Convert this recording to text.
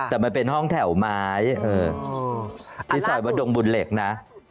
แต่มันเป็นห้องแถวไม้ที่ซอยวัดดงบุญเหล็กนะ